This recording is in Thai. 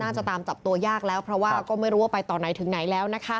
ตามจับตัวยากแล้วเพราะว่าก็ไม่รู้ว่าไปต่อไหนถึงไหนแล้วนะคะ